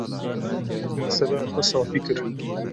Meseleya xwe safî kir.